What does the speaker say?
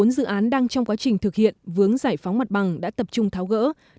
bốn dự án đang trong quá trình thực hiện vướng giải phóng mặt bằng đã tập trung tháo gỡ